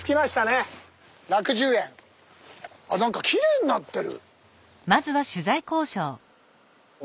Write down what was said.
あっ何かきれいになってる。